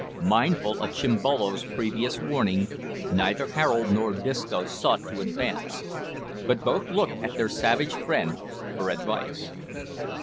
Mindful of Chimbolo's previous warning, neither Harold nor Disco sought to advance, but both looked at their savage friend for advice.